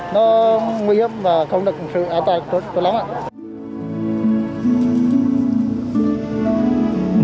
nó nguy hiểm và không được sự an toàn tốt lắm ạ